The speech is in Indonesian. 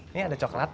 ini ada coklat